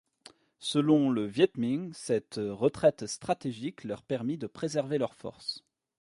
Selon le Viet-Minh, cette retraite stratégique leur permit de préserver leurs forces.